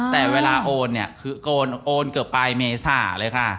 แต่เวลาโอนเนี่ยคือโอนเกือบปลายเมษาเลยค่ะ